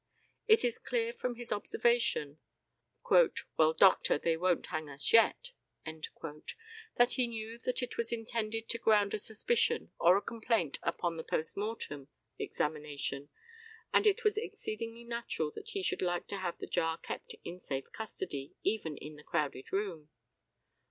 It is clear from his observation, "Well, doctor, they won't hang us yet," that he knew that it was intended to ground a suspicion or a complaint upon the post mortem examination, and it was exceedingly natural that he should like to have the jar kept in safe custody, even in the crowded room.